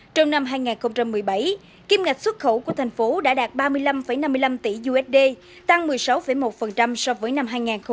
trong năm hai nghìn một mươi bảy kim ngạch xuất khẩu của thành phố đã đạt ba mươi năm năm mươi năm tỷ usd tăng một mươi sáu một so với năm hai nghìn một mươi bảy